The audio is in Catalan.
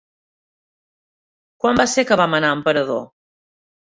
Quan va ser que vam anar a Emperador?